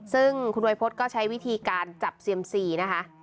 ซึ่งคุณวัยพฤษก็ใช้วิธีการจับเซียมซีนะคะ